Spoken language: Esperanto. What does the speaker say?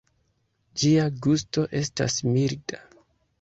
Ĝia gusto estas milda.